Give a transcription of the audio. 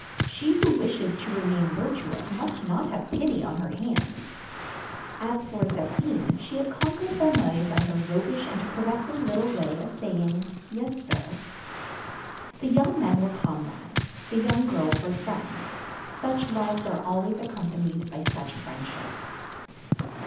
She who wishes to remain virtuous must not have pity on her hands. As for Zéphine, she had conquered Fameuil by her roguish and caressing little way of saying "Yes, sir." The young men were comrades; the young girls were friends. Such loves are always accompanied by such friendships.